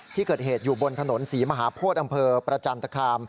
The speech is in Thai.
ที่เกิดเหตุอยู่บนถนนศรีมหาโพธิอำเภอประจันตคาม